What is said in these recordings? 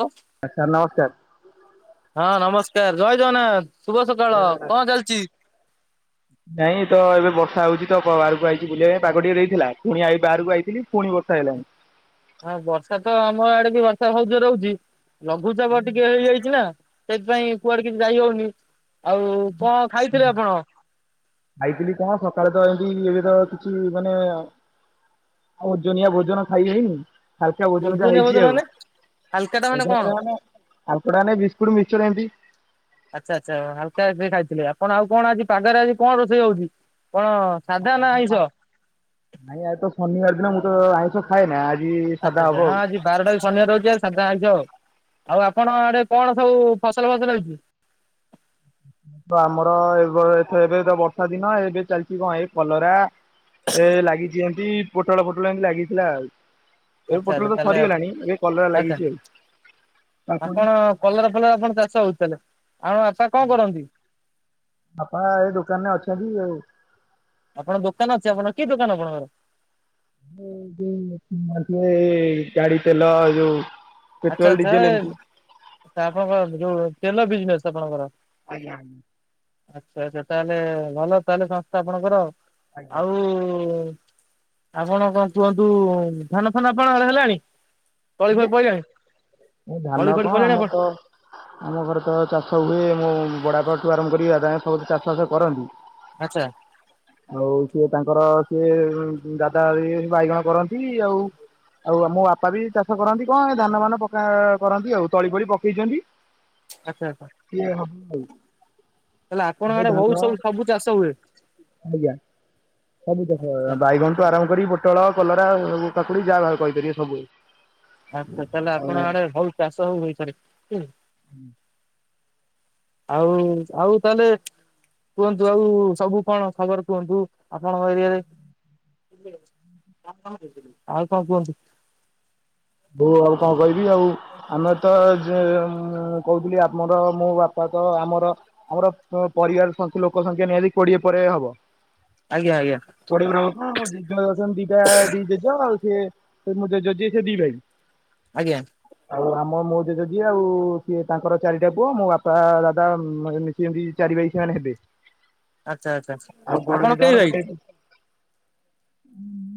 ହ୍ୟାଲ [unintelligible] sir ନମସ୍କାର। ହଁ ନମସ୍କାର ଜୟ ଜଗନ୍ନାଥ ଶୁଭ ସକାଳ କଣ ଚାଲିଛି? ନାଇଁ ତ ଏବେ ବର୍ଷା ହଉଛି ତ ବାହାରକୁ ଆଇଛି ବୁଲିବା ପାଇଁ ପାଗ ଟିକେ ଦେଇଥିଲା ପୁଣି ଆଇ ବାହାରକୁ ଆଇଥିଲି ପୁଣି ବର୍ଷା ହେଲାଣି। ହଁ ବର୍ଷା ତ ଆମ ଆଡେ ବି ବର୍ଷା ବହୁତ ଜୋରରେ ହଉଚି ଲଘୁଚାପ ଟିକେ ହେଇଯାଇଛି ନା? ସେଥିପାଇଁ କୁଆଡେ କିଛି ଯାଇ ହଉନି ଆଉ କଣ ଖାଇଥିଲେ ଆପଣ? ଖାଇଥିଲି କଣ ସକାଳେ ତ ଏମିତି ଏବେ ତ କିଛି ମାନେ ଆଉ ଓଜନିଆ ଭୋଜନ ଖାଇ ହେଇନି ହାଲକା ଭୋଜନ ଯା ଓଜନିଆ ହେଇଛି ଆଉ। ମାନେ ହାଲକା ଟା ମାନେ କଣ [unintelligible] ବିସ୍କୁଟ ମିକ୍ସଚର ଏନ୍ତି। ଆଚ୍ଛା ଆଚ୍ଛା ହାଲକା ଏବେ ଖାଇଥିଲେ ଆପଣ ଆଉ କଣ ଆଜି ପାଗରେ ଆଜି କଣ ରୋଷେଇ ହଉଛି କଣ? ସାଧା ନା ଆଇଁଷ? ନାଇଁ ଆଜି ତ ଶନିବାର ଦିନ ମୁଁ ତ ଆଇଁଷ ଖାଏନା ଆଜି ସାଧା [unintelligible] ହବ ହଁ ଆଉ। ଆଜି ବାରଟା ବି ଶନିବାର ରହୁଛି ଆଜି ସାଧା [unintelligible] ଆଉ ଆପଣ ଆଡେ କଣ ସବୁ ଫସଲ ଫସଲ ହେଇଛି? ତ ଆମର ଏବ ଏଥ ଏବେ ତ ବର୍ଷା ଦିନ ଏବେ ଚାଲଚି କଣ ଏଇ କଲରା ଏ ଲାଗିଛି ଏମତି ପୋଟଳ ଫୋଟଳ ଏମତି ଲାଗିଥିଲା ଆଉ। ଏବେ ଆଚ୍ଛା ଆଚ୍ଛା ପୋଟଳ ତ ତାହେଲେ ସରିଗଲାଣି ଏବେ କଲରା ଆଚ୍ଛା ଲାଗିଛି ଆଉ ତା ଆପଣ କଲରା ଫଲରା କଣ ଚାଷ ହଉଛି ତାହେଲେ ଆଉ ଆଛା ଆପଣ ଏ ଦୋକାନରେ ଅଛନ୍ତି ଆଉ। ଆପଣ ଦୋକାନ ଅଛି ଆପଣଙ୍କ କି ଦୋକାନ ଆପଣଙ୍କର? [unintelligible] ଏ ଗାଡି ତେଲ ଯୋଉ ପେଟ୍ରୋଲ ଆଚ୍ଛା ଆଚ୍ଛା ଡିଜେଲ ଏମିତି ଏ ଆପଣଙ୍କ ଯୋଉ ତେଲ ବିଜନେସ ଆପଣଙ୍କର? ଆଜ୍ଞା। ଆଚ୍ଛା ଆଚ୍ଛା ତାହେଲେ ଭଲ ତାହେଲେ ସଂସ୍ଥା ଆପଣଙ୍କର ଆଜ୍ଞା। ଆଉ ଆପଣ କଣ କୁହନ୍ତୁ ଧାନ ଫାନ ଆପଣଙ୍କର ହେଲାଣି ତଳି ଯେ ଫଳି ପଇଲାଣି? ଏ ତଳି ଧାନ ଫଳି କଣ ପଇଲାଣି ଆମ ଆପଣ ତ ଆମ ଘରେ ତ ଚାଷ ହୁଏ ମୋ ବଡଆପାଠୁ ଆରମ୍ଭ କରି କି ଦାଦା [unintelligible] ସମସ୍ତେ ଚାଷ ବାସ କରନ୍ତି। ଆଚ୍ଛା। ଆଉ ସିଏ ତାଙ୍କର ସିଏ ଦାଦା ବାଇଗଣ କରନ୍ତି ଆଉ ଆଉ ମୋ ବାପା ବି ଚା ଚାଷ କରନ୍ତି କଣ ଏ ଧାନ ଫାନ ପକା କରନ୍ତି ଆଉ ତଳି ଫଳି ପକେଇଛନ୍ତି ଆଚ୍ଛା ସିଏ [unintelligible] ତାହେଲେ ଆପଣଙ୍କ ଏବେ ଆଡେ ବହୁତ ଧାନ ସବୁ ସବୁ ଚାଷ ହୁଏ। ଆଜ୍ଞା। ସବୁ ଚାଷ ଆଚ୍ଛା ବାଇଗଣ ଠୁ ଆରମ୍ଭ କରି ପୋଟଳ, କଲରା, କାକୁଡି ଯାହା ଭା କହିପାରିବେ ସବୁ ଆଚ୍ଛା ତାଲେ ଆପଣ ଆଉ ଆଡେ ହଉ ଚାଷ ହଉ [unintelligible] ହୁଁ। ଆଉ ଆଉ ତାଲେ କୁହନ୍ତୁ ଆଉ ସବୁ କଣ ଖବର କୁହନ୍ତୁ ଆପଣଙ୍କ ଏରିଆରେ। ଆଉ କଣ କୁହନ୍ତୁ। [unintelligible] ଆଉ କଣ କହିବି ଆଉ ଆମେ ତ ଯେ କହୁଥିଲି ଆମର ମୋ ବାପା ତ ଆମର ଆମର ପରିବାର [unintelligible] ଲୋକ ସଂଖ୍ୟା ନିହାତି କୋଡିଏ ପରେ ହବ। ଆଜ୍ଞା ଆଜ୍ଞା। [unintelligible] ମୋ ଜେଜେ ଅଛନ୍ତି ଦିଟା ଦି ଜେଜେ ଆଉ ସିଏ ମୋ ଜେଜେ ସେ ଦି ଭାଇ। ଆଜ୍ଞା। ଆଉ ଆମ ମୋ ଜେଜେ ଯିଏ ଆଉ ସିଏ ତାଙ୍କର ଚାରିଟା ପୁଅ ମୋ ବାପା ଦାଦା ମି ସିଏ ଏମତି ଚାରି ବାଇ ସେମାନେ ହେବେ। ଆଚ୍ଛା ଆଚ୍ଛା। ଆପଣ କେହି ଭାଇ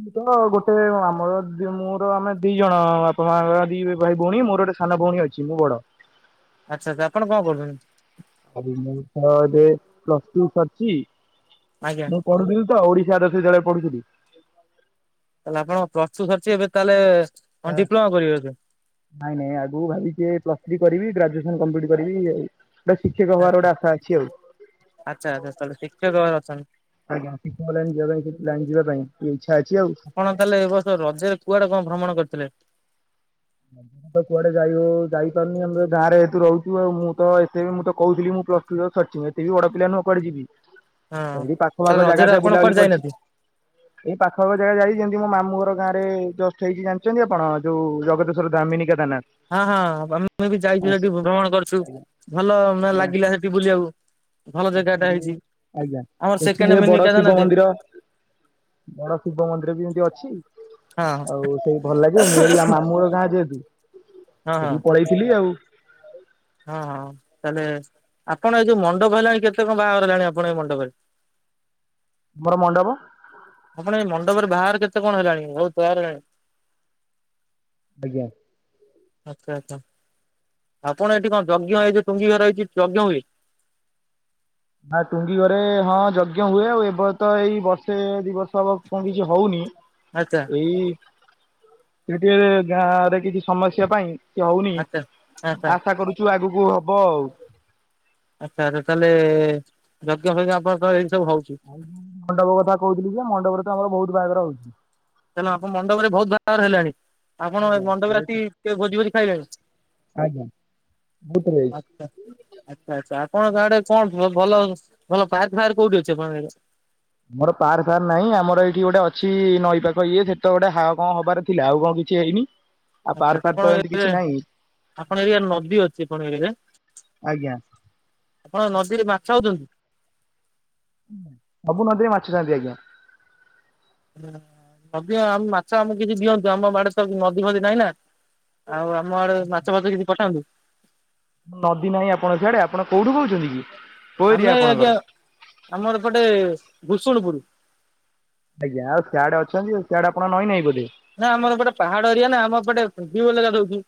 ମୁଁ ତ ଗୋଟେ ଆମର ମୋର ଆମେ ଦି ଜଣ ମୋ ବାପାମାଆଙ୍କର ଦି ଭାଇ ଭଉଣୀ ମୋର ଗୋଟେ ସାନ ଭଉଣୀ ଅଛି ମୁଁ ବଡ। ଆଚ୍ଛା ଆଚ୍ଛା ଆପଣ କଣ କରୁଛନ୍ତି? [unintelligible] ମୁଁ ତ ଏବେ ପ୍ଲସ ଟୁ ସରଛି। ଆଜ୍ଞା। ପଢୁଥିଲି ତ ଓଡ଼ିଶା ର [unintelligible] ବିଦ୍ୟାଳୟ ପଢୁଥିଲି। ତାହେଲେ ଆପଣ ପ୍ଲସ୍ ଟୁ ସରିଚି ଏବେ ତାହେଲେ କଣ ଡିପ୍ଲୋମା କରିବେ ବଧେ? ନାଇଁ ନାଇଁ ଆଗକୁ ଭାବିିଚି ପ୍ଲସ୍ ଥ୍ରୀ କରିବି ଗ୍ରାଜୁଏସନ୍ କମ୍ପ୍ଲିଟ୍ କରିବି ଇଏ ଗୋଟେ ଶିକ୍ଷକ ହବାର ଆଚ୍ଛା ଗୋଟେ ଆଶା ଅଛି ଆଉ। ଆଚ୍ଛା ଆଚ୍ଛା ତାହେଲେ ଶିକ୍ଷକ ଭାବରେ ଅଛନ୍ତି ଆଜ୍ଞା ଶିକ୍ଷକ ଲାଇନ୍ ଯିବା ପାଇଁ [unintelligible] ପାଇଁ ଇଚ୍ଛା ଅଛି ଆଉ ଆପଣ ତାହେଲେ ଏ ବର୍ଷ ରଜରେ କୁଆଡେ କଣ ଭ୍ରମଣ କରିଥିଲେ? ବ କୁଆଡେ ଯାଇ ହଉ- ଯାଇପାରୁନି ଆମେ ଗାଁରେ ଏଠୁ ରହୁଚୁ ଆଉ ମୁଁ ତ ଏତେ ବି ମୁଁ ତ କହୁଥିଲି ମୁଁ ପ୍ଲ [unintelligible] ମୁଁ ଏତେ ବି ବଡ ପିଲା ନୁହଁ କୁଆଡେ ଯିବି ହଁ ଏଇ ପାଖ ତାହେଲେ ଆଖ ଜାଗା ରଜରେ ଯା ଆପଣ କୁଆଡେ ବୁଲାବୁଲି କରିଚି। ଯାଇନାହାନ୍ତି? ଏଇ ପାଖ ଆଖ ଜାଗା ଯାଇ ଯେମିତି ମୋ ମାମୁଁ ଘର ଗାଁ ରେ ଜଷ୍ଟ୍ ହେଇକି ଜାଣିଚନ୍ତି ଆପଣ ଯଉ ଜଗତ [unintelligible] ମିନି କେଦାରନାଥ୍। ହଁ -ହଁ ଆମେ ବି ଯାଇଚୁ ସେଠି ଭ୍ରମଣ କରିଚୁ ଭଲ ମାନେ ଲାଗିଲା ସେଠି ବୁଲିବାକୁ। ଭଲ ଜାଗାଟା ହେଇଛି। ଆଜ୍ଞା ଆମର ସେକେଣ୍ଡ ସେଠି ମିନି ବଡ କେଦାରନାଥ ଶିବ ମନ୍ଦିର ବଡ ଶିବ ମନ୍ଦିର ବି ଏମିତି ଅଛି ହଁ ହଁ ଆଉ ସେଇଠି ଭଲ ଲାଗେ ମୁଁ [unintelligible] [unintelligible] ହଁ ହଁ। ସେଠିକି ପଳେଇଥିଲି ଆଉ। ହଁ- ହଁ ତାହେଲେ ଆପଣ ଏଇ ଯଉ ମଣ୍ଡପ ହେଲାଣି କେତେ କଣ ବାହାଘର ହେଲାଣି ଆପଣ ଏଇ ମଣ୍ଡପରେ? ଆମର ମଣ୍ଡପ ଆପଣ ଏଇ ମଣ୍ଡପରେ ବାହାର କେତେ କଣ ହେଲାଣି ବହୁତ୍ ବାହାର ହେଲାଣି। ଆଜ୍ଞା। ଆଚ୍ଛା -ଆଚ୍ଛା ଆପଣ ଏଠି କଣ ଯଜ୍ଞ ଏଇ ଯଉ ଟୁଙ୍ଗି ଘର ହେଇଚି ଯଜ୍ଞ ହୁଏ? ଆଁ -ଟୁଙ୍ଗି ଘରେ ହଁ ଯଜ୍ଞ ହୁଏ ଆଉ ଏବେ ତ ଏଇ ବର୍ଷେ ଦି ବର୍ଷ ହବ କଣ କିଛି ହଉନି। ଆଚ୍ଛା। ଏଇ ଟିକେ ଗାଁ ରେ କିଛି ସମସ୍ୟା ପାଇଁ ହଉନି ଆଚ୍ଛା। ଆଚ୍ଛା ଆଶା କରୁଚୁ ଆଗୁକୁ ହବ ଆଉ। ଆଚ୍ଛା ତାହେଲେ ଯଜ୍ଞ ଫଜ୍ଞ ଆପଣଙ୍କର ତ ଏଇ ସବୁ ହଉଚି। ଆଉ ମଣ୍ଡପ କଥା କହୁଥିଲି ଯେ ମଣ୍ଡପରେ ତ ଆମର ବହୁତ୍ ବାହାଘର ହଉଚି। ହେଲେ ଆପଣ ମଣ୍ଡପରେ ବହୁତ୍ ବାହାଘର ହେଲାଣି ଆପଣ ଆଜ୍ଞା ମଣ୍ଡପରେ ବହୁତ ଆସି କିଏ ଭୋଜି ଭୋଜି ଖାଇଲେଣି ଆଜ୍ଞା ବହୁତ୍ ଥର ଯାଇଚି। ଆଚ୍ଛା- ଆଚ୍ଛା ଆପଣଙ୍କ ଆଡେ କଣ ଭଲ -ଭଲ ପାର୍କ ଫାର୍କ କଉଠି ଅଛି ଆପଣଙ୍କ ଆଡେ? ଆମର ପାର୍କ ଫାର୍କ ନାହିଁ ଆମର ଏଇଠି ଗୋଟେ ଅଛି ନଈ ପାଖ ଇଏ ସେ ତ ଗୋଟେ ହା- କଣ ହବାର ଥିଲା ଆଉ କଣ କିଛି ହେଇନି। ହ ଆଚ୍ଛା ଆପଣ [unintelligible] ଆପଣ ଏରିଆ ନଦୀ ଅଛି ଆପଣ ଏରିଆରେ? ଆଜ୍ଞା ଆପଣଙ୍କ ନଦୀରେ ମାଛ ଆଉଚନ୍ତି? ସବୁ ନଦୀରେ ମାଛ ଥାନ୍ତି ଆଜ୍ଞା। ଦିଅ ମାଛ ଆମକୁ କିଛି ଦିଅନ୍ତୁ ଆମ ଆଡେ ତ ନଦୀ ଫଦି ନାହିଁ ନା। ଆଉ ଆମ ଆଡେ ମାଛ ଫାଛ କିଛି ପଠାନ୍ତୁ। ନଦୀ ନାହିଁ ଆପଣ ସିଆଡେ ଆପଣ କଉଠୁ କହୁଚନ୍ତି କି? କୋଉ ଏରିଆ ଆମେ ଆପଣଙ୍କର? ଆଜ୍ଞା ଆମର ଏପଟେ ଭୁସଣପୁରୁ। ଆଜ୍ଞା ଆଉ ସିଆଡେ ଅଛନ୍ତି ଆ- ସିଆଡେ ଆପଣଙ୍କ ନଈ ନାହିଁ ବୋଧେ? ନା ଆମର ଏପଟେ ପାହାଡ ଏରିଆ ନା ଆମର ଏପଟେ ଭିଉ ଅଲଗା ରହୁଚି।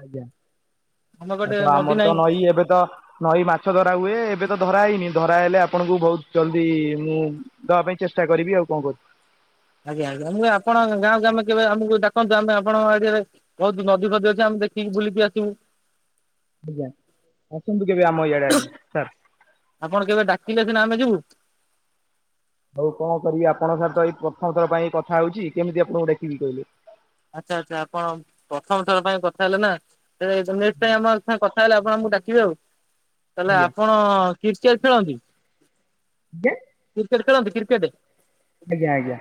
ଆଜ୍ଞା ଆଉ ପଟେ ତ ନଦୀ ଆମର ତ ନାହିଁ। ନଈ ଏବେ ତ ନଈ ମାଛ ଧରା ହୁଏ ଏବେ ତ ଧରା ହେଇନି ଧରାହଲେ ଆପଣଙ୍କୁ ବହୁତ୍ ଜଲ୍ଦି ମୁଁ ଦବା ପାଇଁ ଚେଷ୍ଟା କରିବି ଆଉ କଣ କରି ଆଜ୍ଞା -ଆଜ୍ଞା ଆମକୁ ଆପଣ ଗାଁକୁ ଆମେ କେବେ ଆମକୁ ଡାକନ୍ତୁ ଆମେ ଆପଣଙ୍କ ଆଡେ କେବେ ବହୁତ ନଦୀ ଫଦୀ ଅଛି ଆମେ ଦେଖିକି ବୁଲିକି ଆସିବୁ! ଆଜ୍ଞା! ଆସନ୍ତୁ କେବେ ଆମ ଏଇଆଡେ ଆଜ୍ଞା ସାର୍! ଆପଣ କେବେ ଡାକିଲେ ସିନା ଆମେ ଯିବୁ! ହଉ କଣ କରିବି ଆପଣଙ୍କ ସାଙ୍ଗରେ ଏଇ ପ୍ରଥମଥର ପାଇଁ କଥା ହଉଛି କେମିତି ଆପଣଙ୍କୁ ଡାକିବି କହିଲେ! ଆଚ୍ଛା ଆଚ୍ଛା ଆପଣ ପ୍ରଥମ ଥର ପାଇଁ କଥା ହେଲେ ନା! ସେ ଆମ [unintelligible] ହ କଥା ହେଲେ ଆପଣମାନଙ୍କୁ ଡାକିବି ଆଉ! ତାହେଲେ ଆଜ୍ଞା ଆପଣ କ୍ରିକେଟ ଖେଳନ୍ତି। ଆଜ୍ଞା କ୍ରିକେଟ ଖେଳନ୍ତି କ୍ରିକେଟ? ଆଜ୍ଞା ଆଜ୍ଞା!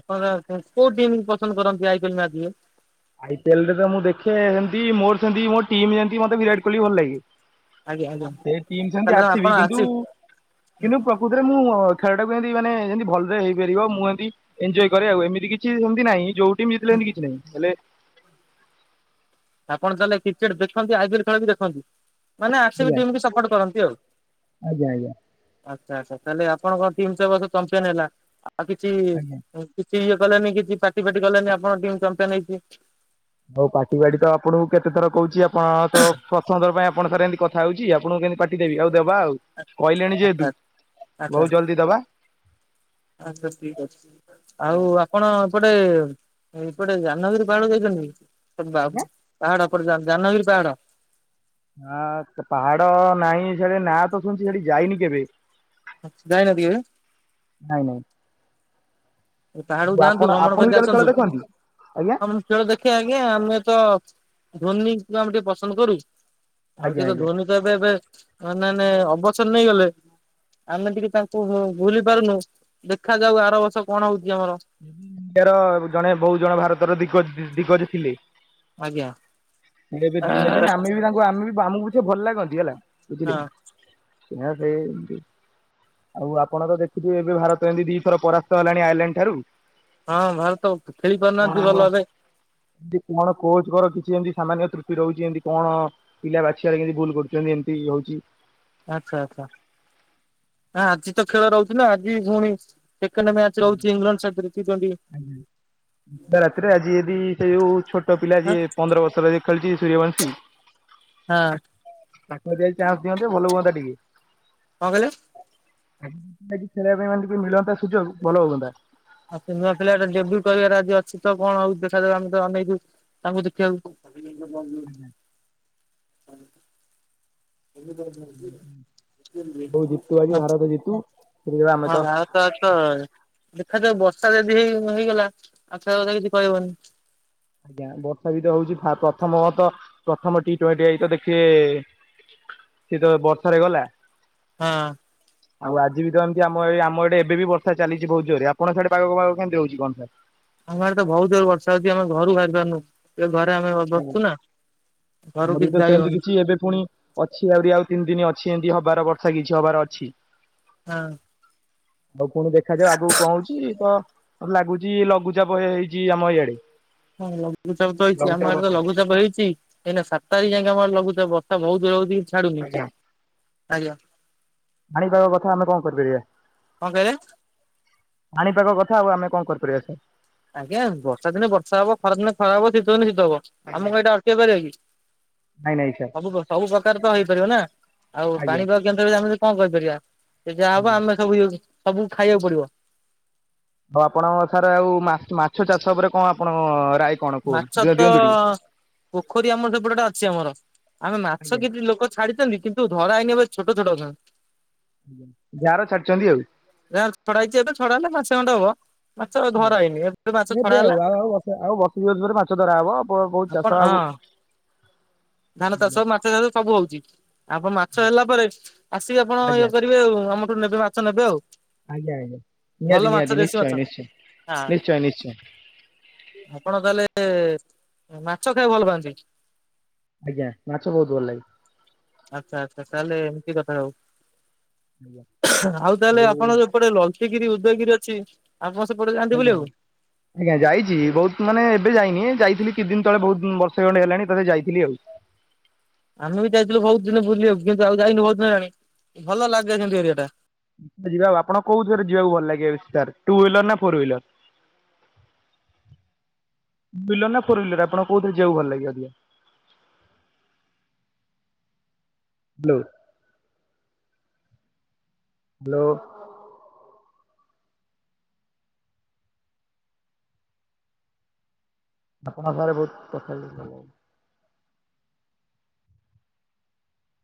ଆପଣ ଆଟି କୋଉ ଟିମ୍ ପସନ୍ଦ କରନ୍ତି ଆଇ ପିଏଲ ମ୍ୟାଚ୍ ଇଏ। ଆଇ ପିଏଲ ରେ ତ ମୁଁ ଦେଖେ ସେମିତି ମୋର ସେମତି ମୋ ଟିମ୍ ଯେମତି ମତେ ବିରାଟ କୋହଲି ଭଲ ଲାଗେ! ଆଜ୍ଞା ଆଜ୍ଞା ସେ ଟିମ ସେମତି ତାହେଲେ ଆପଣ ଆସିବି କିନ୍ତୁ ଆସି କିନ୍ତୁ ପ୍ର! ପ୍ରକୃଥିରେ ମୁଁ ଖେଳଟାକୁ ଏମିତି ମାନେ ଯେମତି ଭଲରେ ହେଇପାରିବ! ମୁଁ ଏମିତି! ଏଞୟ କରେ ଆଉ ଏମିତି କିଛି ଏମିତି ନାହିଁ ଯୋଉ ଟିମ୍ ମିଶିଲେ ଏମିତି କିଛି ନାହିଁ ହେଲେ! ଆପଣ ତାହେଲେ କ୍ରିକେଟ ଦେଖନ୍ତି! ଆଇ ପିଏଲ ଖେଳ ବି ଦେଖନ୍ତି? ମାନେ ଆସିବି ଆଜ୍ଞା ଟିମ୍ କୁ ସପୋର୍ଟ କରନ୍ତି ଆଉ! ଆଜ୍ଞା ଆଜ୍ଞା ଆଚ୍ଛା ଆଚ୍ଛା ତାହେଲେ ଆପଣ କଣ ଟିମ୍ ସ ବଷ ଚାମ୍ପିୟନ ହେଲା ଆଉ କିଛି ହିଁ! ଆଜ୍ଞା। କିଛି ଇଏ କଲନି କିଛି ପାର୍ଟି ଫାଟି କଲନି ଆପଣଙ୍କ ଟିମ ଚମ୍ଫିୟନ ହେଇଛି! ହଉ ପାଟି ବାଡି ତ ଆପଣଙ୍କୁ କେତେ ଥର କହୁଛି ଆପଣ ତ ପସନ୍ଦର ପାଇଁ ଆପଣ ସାରେ ଏମତି କଥ! କଥା ହଉଛି ଆପଣଙ୍କୁ କେମତି ପାଟିଦେବି ଆଉ ଦେବା ଆଉ କହିଲେଣି ଆଚ୍ଛା ଯେହେତୁ ବହୁତ ଜଲ୍ଦି ଦବା! ଆଛା ବାସ ଠିକ୍ ଅଛି! ଆଉ ଆପଣ ଏପଟେ ଏପଟେ ଜାନଗିରି ପାହାଡ ଯାଇଛନ୍ତି! ସେ ବାବ ଆଜ୍ଞା। ପାହାଡ ଏପଟେ ଜା ଜାନଗିରି ପାହାଡ! ହଁ କେତ ପାହାଡ ନାହିଁ ସେଠି ନାଁ ତ ଶୁଣିଛି ସେଠି ଯାଇନି କେବେ! ଆଛ ଜାଇ ନାହାନ୍ତି କେବେ? ନାଇଁ ନାଇଁ! ସେ ପାହାଡକୁ ଯାଆନ୍ତୁ! ଆପଣ ଭ୍ରମଣ ଆପଣ ବି କରିକି ତାହେଲେ ଖେଳ ଆସନ୍ତୁ ଦେଖନ୍ତି? ଆଜ୍ଞା ହମ! ଖେଳ ଦେଖିଆ ଆଜ୍ଞା ଆମେ ତ ଧୋନିକୁ ଆମେ ଟିକେ ପସନ୍ଦ କରୁ! ଆଉ ଆଜ୍ଞା ସେ ତ ଆଜ୍ଞା। ଧୋନୀ ତ ଏବେ ଏବେ ମାନେନେ ଅବସର ନେଇଗଲେ! ଆମେ ଟିକେ ତାଙ୍କୁ ଉଁ ଉଁ ଭୁଲି ପାରୁନୁ ଦେଖା ଯାଉ ଆର ବର୍ଷ କଣ ହଉଛି ଆମର! ଇଣ୍ଡିଆର ଜଣେ ବହୁ ଜଣ ଭାରତର ଦିଗ ଦିଗ୍ଗଜ ଥିଲେ! ଆଜ୍ଞା। ଏବେ ଦି ତିନି ନେଇଚନ୍ତି ଆମେ ବି ତାଙ୍କ! ତୁ ଆମେ ବି ଆମକୁ ବି ସେ ଭଲ ଲାଗନ୍ତି ହେଲା ହଁ ବୁଝିଲେ କି ସେଆ ସେ ଏମତି ଆଉ ଆପଣ ତ ଦେଖିଥିବୁ ଏବେ ଭାରତ ଏମିତି ଦି ଥର ପରାସ୍ତ ହେଲାଣି ଆଇଲାଣ୍ଡ ଠାରୁ! ହଁ! ଭାରତ ବ ଖେଳି ପାରୁନାହାନ୍ତି ଭଲ ରେ। ଏମତି କଣ କୋଚଙ୍କର କିଛି ଏମତି ସାମାନ୍ୟ ତ୍ରୁଟି ରହୁଛି ଏମତି କଣ! ପିଲା ବାଛିବାରେ କେମିତି ଭୁଲ କରୁଛନ୍ତି ଏମିତି ବି ହଉଛି! ଆଚ୍ଛ ଆଚ୍ଛ ଆଜି ତ ଖେଳ ରହୁଛି ନା ଆଜି ପୁଣି! ସେକେଣ୍ଡ ମ୍ୟାଚ ରହୁଛି ଇଂଲଣ୍ଡ ସାଥିରେ ଟି ଟୋଣ୍ଟି! ଆଜ୍ଞା। ରାତିରେ ଆଜି ଯଦି ସେ ଓ ଛୋଟ ପିଲା ହଁ ଯିଏ ପନ୍ଦର ବର୍ଷ ର ଯେ ଖେଳିଛି ସୂରିୟବଂଶୀ! ହଁ! ତାକୁ ଅଧିଆ ଯଦି ଚାନ୍ସ ଦିଅନ୍ତେ ଭଲ ହୁଅନ୍ତା ଟିକେ! କଣ କହିଲେ? ଆଜି ଖେଳିବା ପାଇଁ ମାନେ ମିଳନ୍ତା ସୁଯୋଗ ଭଲ ହୁଅନ୍ତା! ଆଉ ସିନେଆ ପିଲାଟା ଡେବ୍ୟୁ କରିବାର ଆଜି ଅଛି ତ କଣ ହଉ ଦେଖାଦାଉ ଆମେ ତ ଅନେଇଚୁ ତାଙ୍କୁ ଦେଖିବାକୁ। ଆ [unintelligible] ହୁ [inaudible] ତ ବୋଉ ଜିତୁ ଆଜି ଭାରତ ଜିତୁ ସେତିକି ଆମେ ତ ତ ଦେଖାଯାଉ ବର୍ଷା ଯଦି ହେଇ ମିଳିଗଲା ଆଖ କଥା କିଛି କହିବନି ଆଜ୍ଞା ବର୍ଷା ବି ତ ହଉଛି ପ୍ରଥମ ତ ପ୍ରଥମ ଟି ଟ୍ୱଣ୍ଟି ଆଇ ତ ଦେଖିବେ ସେଏ ତ ବର୍ଷାରେ ଗଲା ହ୍ନା ଆଉ ଆଜି ବି ତମତି ଆମ ଏ ଆମ ଏଇେ ଏବେ ବିର୍ଷ ଚାଲିଛିହୁ ଜୋରେ ଆପଣ ସଆଡେ ପାାଗ ପାାଗ କେମିତି ରହୁଛି କଣ ସାର୍ ଆମଆଡେ ତ ବହୁତ ଜୋର ବର୍ଷା ହଉଛି ଆମେ ଘରୁ ବାହାର ପାରୁନୁ। ଏ ଘରେ ଆମେ ବ ଆଜ୍ଞା। ବସିଛୁ ନା ଘରକୁ ଆମର ବି ତ କିଛି ସେମିତି ଯାଇହଉନି କିଛି ଏବେ ପୁଣି ଅଛି ଆହୁରି ଆଉ ତିନି ଦିନ ଅଛି ଏମିତି ହବାର ବର୍ଷା କିଛି ହବାର ଅଛି। ହଁ ହ ଆଉ କୁଣି ଦେଖାଯାଉ ଆଗକୁ କହୁଛି ତ ଲାଗୁଛି ଲଘୁଚାପ ହେଇଛି ଆମ ଏଇଆଡେ ହଁ ଲଘୁଚାପ ତଇଛି ଆମ ଏଡେ ତ ଲଘୁଚାପ ହେଇଛି ଏଇନା ସାତ ତାରିଖ ଯାଏ ଆମର ଲଘୁଚାପ ତ ବହୁ ଯୋରେ ହଉଛି ଛାଡୁନି ଆଜ୍ଞା। ଆଜ୍ଞା! ପାଣିପଗ କଥା ଆମେ କଣ କରିପାରିବା କଣ କହିଲେ ପାଣିପାଗ କଥା ଆଉ ଆମେ କଣ କରିପାରିବା ସାର୍। ଆଜ୍ଞା ବର୍ଷା ଦିନ ବର୍ଷା ହବ ଖରା ଦିନେ ଖରା ହବ ଶୀତ ଦିନ ଶୀତ ହବ ଆଜ୍ଞା। ଆମ କ ଏଟା ାର କି ନାଇଁ ନାଇଁ ସାର୍ ସବୁ ସବୁ ପ୍ରକାର ତ ହେଇପାରିବ ନା ଆଉ ଆଜ୍ଞା ପାଣିପାଗ ଆମେ କଣ କହିପାରିବା ଯାହା ହବ ଆଜ୍ଞା। ଆମେ ସବୁ ଏ ସବୁ ଖାଇବାକୁ ପଡିବ ଆଉ ଆପଣ ସାର୍ ଆଉ ମା ମାଛ ଚାଷ ଉପରେ କଣ ଆପଣ ରାଏ ମାଛ ତ ପୋଖରୀ ଆମର ସେପଟେଟା ଅଛି ଆମର ଆମେ ମାଛ ଆଜ୍ଞା କି ଲୋକ ଛାଡ଼ିଛନ୍ତି କିନ୍ତୁ ଧରା ହେଇନି ଏବେ ଛୋଟ ଛୋଟ ଅଛନ୍ତି। ଯାହର ଛାଡିଛନ୍ତି ଆଉ ଯାର ଛଡା ହେଇଛି ଏବେ ଛଡା ହେଲେ ମାସେ ଖଣ୍ଡେ ହବ ମାଛ ଧରା ହେଇନି ଏବେ ମାଛ ଆଜ୍ଞା ଛଡା ଏବେ ହେଲା ଆଉ ଆଉ ଆଉ ଆଉ ବର୍ଷେ ଦୁଇ ବର୍ଷେ ପରେ ମାଛ ଧରା ହବ ବ ବହୁତ ଆପଣ ଚାଷ ହଁ ଆବୁ ଧାନ ଚାଷ ମାଛ ଚାଷ ସବୁ ହଉଛି ଆଗ ମାଛ ହେଲା ପରେ ଆସିକି ଆପଣ ଆଜ୍ଞା ଇଏ କରିବେ ଆଉ ଆମ ନେବେ ମାଛ ନେବେ ଆଉ ଆଜ୍ଞା ଆଜ୍ଞା ଭଲ ନିହାଦି ମାଛ ନିହାଦି ଦେଶୀ ନିଶ୍ଚୟ ମାଛ ନିଶ୍ଚୟ ହଁ। ନିଶ୍ଚୟ ନିଶ୍ଚୟ ଆପଣ ତାହେଲେ ମାଛ ଖାଇବାକୁ ଭଲ ପାଆନ୍ତି? ଆଜ୍ଞା ମାଛ ବହୁତ ଭଲ ଲାଗେ। ଆଛା ଆଛା ତାହେଲେ ଏମିତି କଥା ହଉ। ଆଜ୍ଞା ଆଉ ତାହେଲେ ଆଉ ଆପଣଙ୍କ ଯୋପଟେ ଲଲତିଗିରି ଉଦୟଗିରି ଅଛି ଆମ ସେପଟେ ଯାଆନ୍ତି ଆଜ୍ଞା ଆଜ୍ଞା। ବୁଲିବାକୁ? ଆଜ୍ଞା ଯାଇଛି ବହୁତ ମାନେ ଏବେ ଯାଇନି ଯାଇଥିଲି କିଛି ଦିନ ତଳେ ବହୁ ବର୍ଷ ଖଣ୍ଡେ ହେଲାଣି ଥରେ ଯାଇଥିଲି ଆଉ ଆମେ ବି ଯାଇଥିଲୁ ବହୁତ ଦିନ ବୁଲିବା କୁ କିନ୍ତୁ ଆଉ ଯାଇନୁ ବହୁତ ଦିନ ହେଲାଣି ଭଲଲାଗେ କିନ୍ତୁ ଏରିଆଟା ଯିବା ଆଉ ଆପଣ କୋଉଥିରେ ଯିବାକୁ ଭଲ ଲାଗେ ସର୍ ଟୁହ୍ୱିିଲର ନା ଫୋର୍ହ୍ୱିିଲର? ଦୁଇହୁଇଲର ନ ଫୋର୍ହୁଇଲାର କହୁଥିଲେ ଜିଆକୁ ଭଲ ଲାଗେ ଅଧିକା? ହାଲୋ ହାଲୋ ଆପଣ ପାଖରେ ବହୁତ କଥା ହେଇପାରିବନି